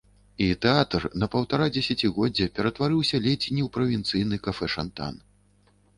І тэатр на паўтара дзесяцігоддзя ператварыўся ледзь не ў правінцыйны кафэшантан.